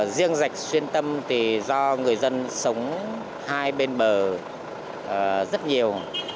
riêng rạch xuyên tâm thì do người dân sống hai bên bờ rất nhiều